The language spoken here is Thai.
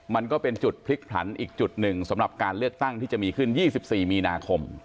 มันก็เป็นจุดพลิกผลันอีกจุดหนึ่งสำหรับการเลือกตั้งที่จะมีขึ้น๒๔มีนาคม